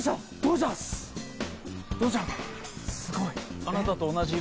すごい。